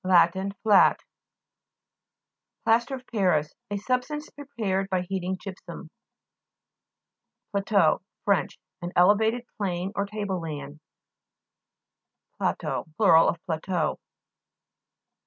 Flat. PLASTIC CLAY (p. 78). PLASTER OF PARIS A substance pre pared by heating gypsum. PLA'TEAU Fr. An elevated plane, or table land. PLA'TEAUX (PLA' TO) Plur. of pla teau.